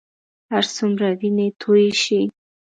هرڅومره وینې تویې شي.